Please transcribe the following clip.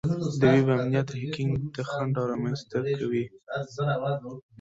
د ویب امنیت هیکینګ ته خنډ رامنځته کوي.